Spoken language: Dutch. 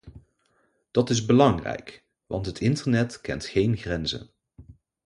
Dat is belangrijk, want het internet kent geen grenzen.